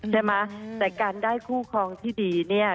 ใช่ไหมแต่การได้คู่ครองที่ดีเนี่ย